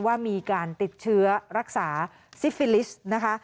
ว่ามีการติดเชื้อรักษาซิฟิลิสต์นะคะ